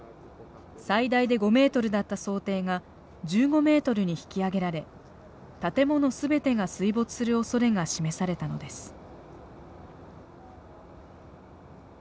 最大で５メートルだった想定が１５メートルに引き上げられ建物全てが水没するおそれが示されたのです。